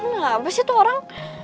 nggak abis itu orang